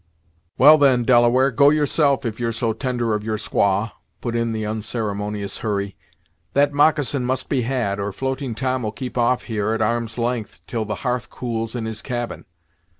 "Well then, Delaware, go yourself if you're so tender of your squaw," put in the unceremonious Hurry. "That moccasin must be had, or Floating Tom will keep off, here, at arm's length, till the hearth cools in his cabin.